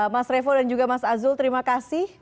mas revo dan juga mas azul terima kasih